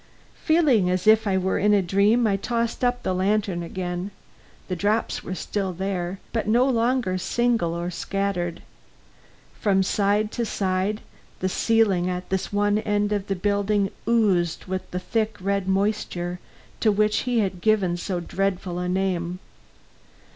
Feeling as if I were in a dream, I tossed up the lantern again. The drops were still there, but no longer single or scattered. From side to side, the ceiling at this one end of the building oozed with the thick red moisture to which he had given so dreadful a name.